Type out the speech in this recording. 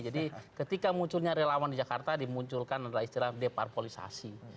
jadi ketika munculnya relawan di jakarta dimunculkan adalah istilah deparpolisasi